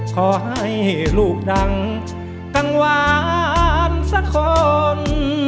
ขอให้ลูกดังกังวานสักคน